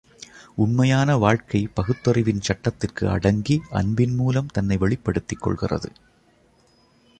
உண்மையான வாழ்க்கை பகுத்தறிவின் சட்டத்திற்கு அடங்கி, அன்பின் மூலம் தன்னை வெளிப்படுத்திக் கொள்கிறது.